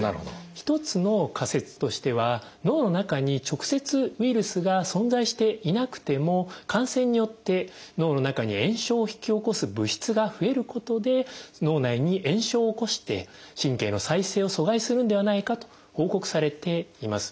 一つの仮説としては脳の中に直接ウイルスが存在していなくても感染によって脳の中に炎症を引き起こす物質が増えることで脳内に炎症を起こして神経の再生を阻害するんではないかと報告されています。